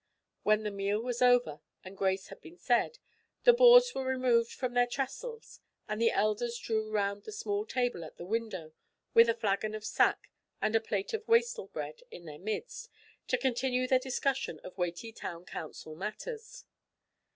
When the meal was over, and grace had been said, the boards were removed from their trestles, and the elders drew round the small table in the window with a flagon of sack and a plate of wastel bread in their midst to continue their discussion of weighty Town Council matters.